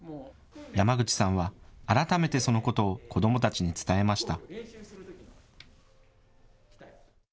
山口さんは改めてそのことを子どもたちに伝えました。